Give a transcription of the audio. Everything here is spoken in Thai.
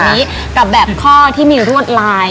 เอามาแบบนี้กับแบบข้อที่มีรวดลาย